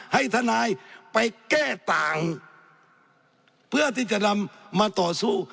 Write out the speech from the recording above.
ให้ทนายไปแก้ต่างเพื่อที่จะนำมาต่อสู้